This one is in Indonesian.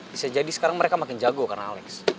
bisa jadi sekarang mereka makin jago karena alex